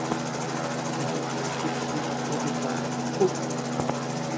Il s’écrie au départ : Oh !